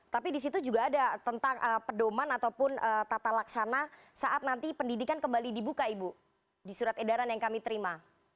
tapi di situ juga ada tentang pedoman ataupun tata laksana saat nanti pendidikan kembali dibuka ibu di surat edaran yang kami terima